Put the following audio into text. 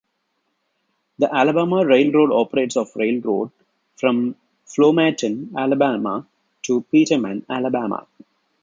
The Alabama Railroad operates of railroad from Flomaton, Alabama to Peterman, Alabama.